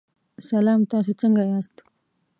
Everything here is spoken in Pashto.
سلام، تاسو څنګه یاست؟